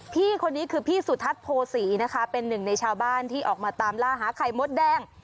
พี่คนนี้คือพี่สุทัศน์โพศีนะคะเป็นหนึ่งในชาวบ้านที่ออกมาตามล่าหาไข่มดแดง